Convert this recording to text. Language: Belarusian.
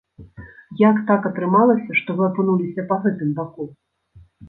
Як так атрымалася, што вы апынуліся па гэтым баку?